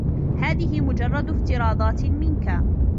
هذه مجرّد افتراضات منكِ.